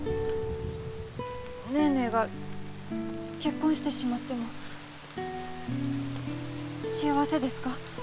ネーネーが結婚してしまっても幸せですか？